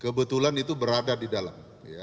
kebetulan itu berada di dalam